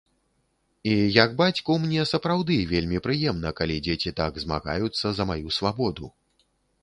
І як бацьку, мне сапраўды вельмі прыемна, калі дзеці так змагаюцца за маю свабоду.